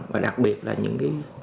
và đặc biệt là những cái